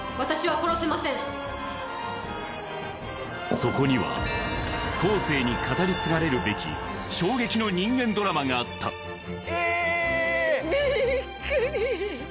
そこには後世に語り継がれるべき衝撃の人間ドラマがあったええっ！びっくり！